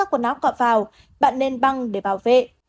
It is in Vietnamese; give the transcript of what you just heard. quần áo cọ vào bạn nên băng để bảo vệ